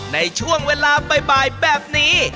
ในช่วงเวลาบ่ายแบบนี้